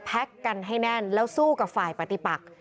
กันให้แน่นแล้วสู้กับฝ่ายปฏิปัก